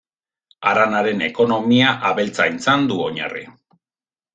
Haranaren ekonomia abeltzaintzan du oinarri.